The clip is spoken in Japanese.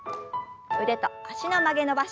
腕と脚の曲げ伸ばし。